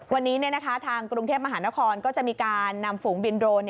วันนี้ทางกรุงเทพมหานครก็จะมีการนำฝูงบินโดรน